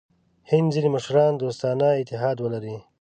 هند ځیني مشران دوستانه اتحاد ولري.